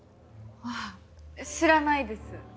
あ知らないです。